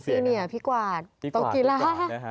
พี่เหนียวพี่กวาดตรงกีฬา